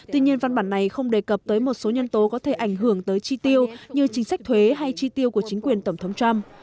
tuy nhiên văn bản này không đề cập tới một số nhân tố có thể ảnh hưởng tới chi tiêu như chính sách thuế hay chi tiêu của chính quyền tổng thống trump